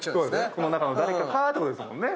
この中の誰かってことですもんね。